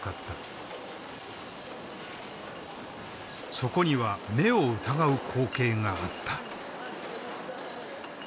そこには目を疑う光景があった。